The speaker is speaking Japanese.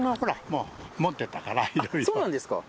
そうなんですか。